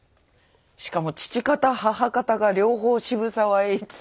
しかも父方母方が両方渋沢栄一さんと。